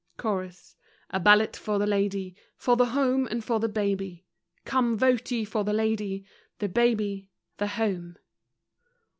CHORUS: A ballot for the Lady! For the Home and for the Baby! Come, vote ye for the Lady, The Baby, the Home!